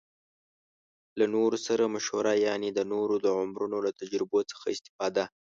له نورو سره مشوره يعنې د نورو د عمرونو له تجربو څخه استفاده